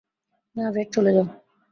না রেড, চলে যাও।